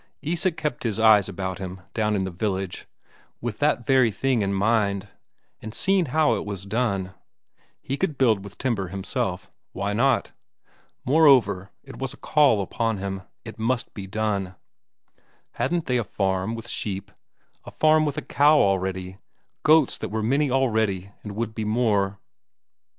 Isak had kept his eyes about him down in the village, with that very thing in mind, and seen how it was done; he could build with timber himself, why not? Moreover, it was a call upon him; it must be done. Hadn't they a farm with sheep, a farm with a cow already, goats that were many already and would be more?